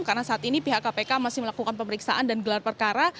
karena saat ini pihak kpk masih melakukan pemeriksaan dan gelar perkara